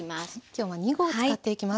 今日は２合を使っていきます。